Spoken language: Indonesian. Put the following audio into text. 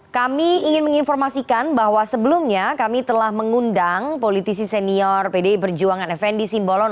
kami ingin menginformasikan bahwa sebelumnya kami telah mengundang politisi senior pdi perjuangan fnd simbolon